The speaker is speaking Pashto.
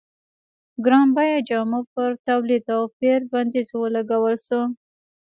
ګران بیه جامو پر تولید او پېر بندیز ولګول شو.